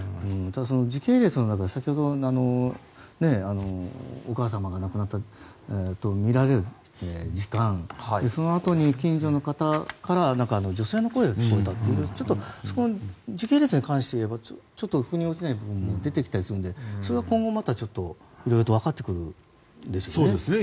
時系列の中で、先ほどお母さまが亡くなったとみられる時間そのあとに近所の方から女性の声が聞こえたという時系列に関して言えば腑に落ちない部分があるのでそれは今後、いろいろと分かってくるんですよね。